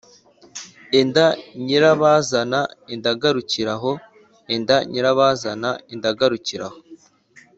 ‘enda nyirabazana, enda garukira aho enda nyirabazana, enda garukira aho,